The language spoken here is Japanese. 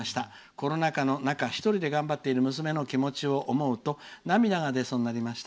コロナ禍の中、１人で頑張っている娘の気持ちを思うと涙が出そうになりました。